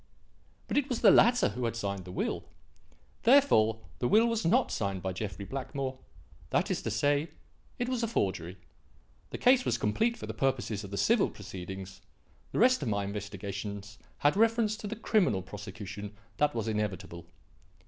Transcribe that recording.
But it was the latter who had signed the will. Therefore the will was not signed by Jeffrey Blackmore; that is to say, it was a forgery. The case was complete for the purposes of the civil proceedings; the rest of my investigations had reference to the criminal prosecution that was inevitable.